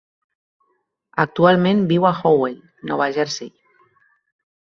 Actualment viu a Howell, Nova Jersey.